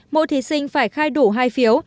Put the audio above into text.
mỗi thí sinh phải khai đủ hai phiếu